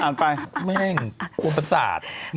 อ่านไปแม่งกลัวประสาท